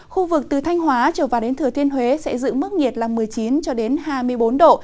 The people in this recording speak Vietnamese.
khu vực từ thanh hóa trở vào đến thừa thiên huế sẽ giữ mức nhiệt là một mươi chín hai mươi bốn độ